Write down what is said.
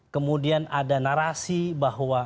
kemudian ada narasi bahwa